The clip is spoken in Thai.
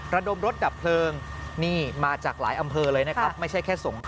ระดมรถดับเพลิงนี่มาจากหลายอำเภอเลยนะครับ